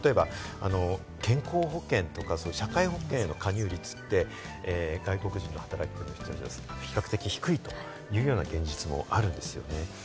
例えば健康保険とか社会保険の加入率って外国人の働き手の方は比較的低いという現実もあるんですよ。